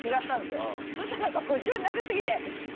そしたら何か夢中になり過ぎて。